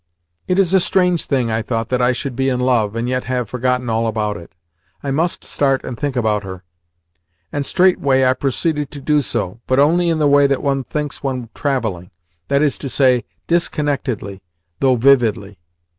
"It is a strange thing," I thought, "that I should be in love, and yet have forgotten all about it. I must start and think about her," and straightway I proceeded to do so, but only in the way that one thinks when travelling that is to say, disconnectedly, though vividly.